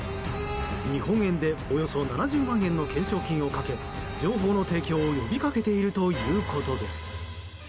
日本円でおよそ７０万円の懸賞金をかけ情報の提供を呼びかけているということです。